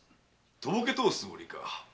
とぼけとおすつもりか？